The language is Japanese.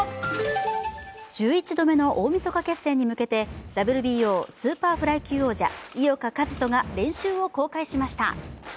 １１度目の大みそか決戦に向けてＷＢＯスーパーフライ級王者井岡一翔が練習を公開しました。